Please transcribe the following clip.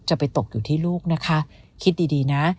จะไปตกอยู่ที่ลูกนะคะคิดดีนะ